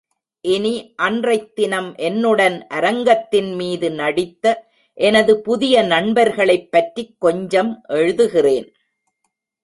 இனி அன்றைத் தினம் என்னுடன் அரங்கத்தின்மீது நடித்த எனது புதிய நண்பர்களைப் பற்றிக் கொஞ்சம் எழுதுகிறேன்.